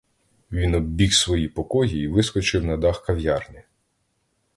Він оббіг свої покої і вискочив на дах кав'ярні.